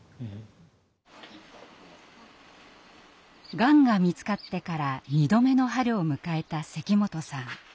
がんが見つかってから２度目の春を迎えた関本さん。